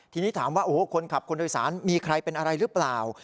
ทีนี้ถามว่าโอ้โหคนขับคนโดยสารมีใครเป็นอะไรหรือเปล่า